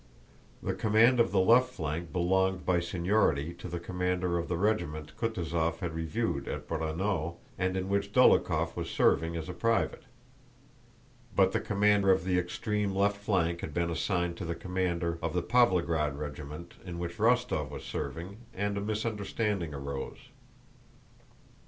The command of the left flank belonged by seniority to the commander of the regiment Kutúzov had reviewed at Braunau and in which Dólokhov was serving as a private. But the command of the extreme left flank had been assigned to the commander of the Pávlograd regiment in which Rostóv was serving, and a misunderstanding arose.